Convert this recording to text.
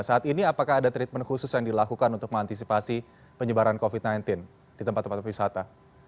saat ini apakah ada treatment khusus yang dilakukan untuk mengantisipasi penyebaran covid sembilan belas di tempat tempat wisata